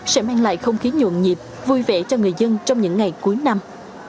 sẽ mang lại không khí nhuộn nhịp vui vẻ cho người dân trong những ngày cuối năm